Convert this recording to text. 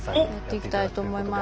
やっていきたいと思います。